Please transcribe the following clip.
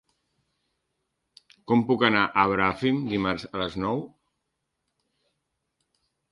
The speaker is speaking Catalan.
Com puc anar a Bràfim dimarts a les nou?